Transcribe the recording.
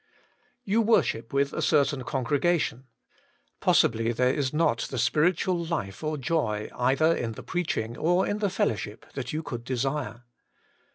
* You worship with a certain congregation. Possibly there is not the spiritual life or joy either in the preaching or in the fellowship that you could desire.